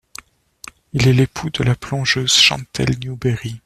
Il est l'époux de la plongeuse Chantelle Newbery.